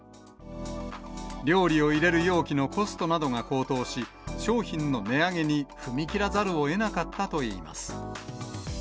料理を入れる容器のコストなどが高騰し、商品の値上げに踏み切らざるをえなかったといいます。